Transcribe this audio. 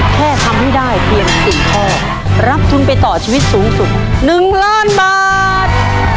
แค่ทำให้ได้เพียง๔ข้อรับทุนไปต่อชีวิตสูงสุด๑ล้านบาท